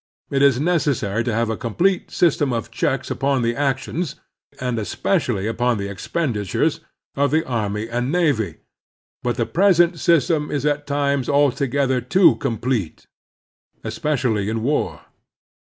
It is necessary to have a complete system of checks upon the actions, and especially upon the expenditures, of the army and navy; but the Admiral Dewey 185 present system is at times altogether too complete, especially in war.